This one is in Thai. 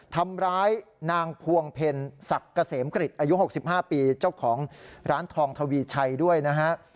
ทำร้ายนางพวงเพ็ญศักดิ์เกษมกริจอายุ๖๕ปีเจ้าของร้านทองทวีชัยด้วยนะฮะ